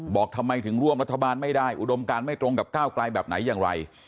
บอกทำไมถึงร่วมรัฐบาลไม่ได้อุดมการไม่ตรงกับก้าวไกลแบบไหนอย่างไร